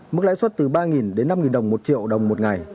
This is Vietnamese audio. mức lãi suất từ ba đến năm đồng một triệu đồng một ngày